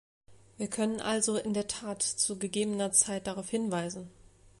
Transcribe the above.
Wir können also in der Tat zu gegebener Zeit darauf hinweisen.